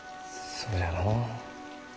そうじゃのう。